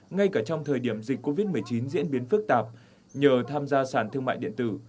ngay cả trong thời điểm dịch covid một mươi chín diễn biến phức tạp nhờ tham gia sản thương mại điện tử